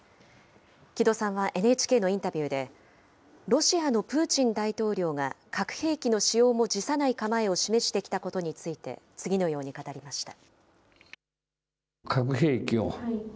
木戸さんはＮＨＫのインタビューで、ロシアのプーチン大統領が核兵器の使用も辞さない構えを示してきたことについて、次のように語りました。